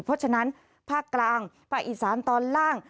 เพราะฉะนั้นภาคกลางภาคอีสานตอนล่าง